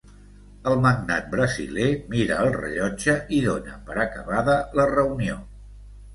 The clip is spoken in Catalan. El magnat brasiler mira el rellotge i dona per acabada la reunió.